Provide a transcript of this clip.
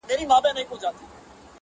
وايی سوله به راځي ملک به ودان سي،